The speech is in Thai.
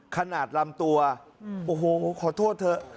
ขนาดลำตัวโอ้โหขอโทษเถอะ